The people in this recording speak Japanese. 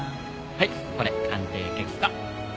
はいこれ鑑定結果。